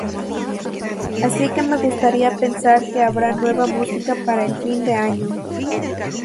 Así que me gustaría pensar que habrá nueva música para el fin de año.